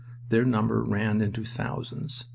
Their number ran into thousands.